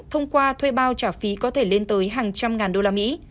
thông qua thuê bao trả phí có thể lên tới hàng trăm ngàn usd